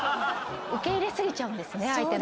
受け入れ過ぎちゃうんですね。